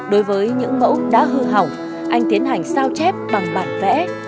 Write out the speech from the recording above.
đối với những mẫu đã hư hỏng anh tiến hành sao chép bằng bản vẽ